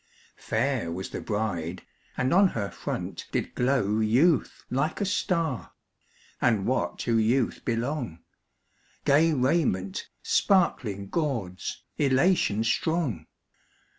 Fair was the bride, and on her front did glow Youth like a star; and what to youth belong, Gay raiment sparkling gauds, elation strong.